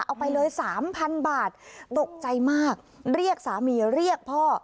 เอาไปเลยสามพันบาทตกใจมากเรียกสามีเรียกพ่อ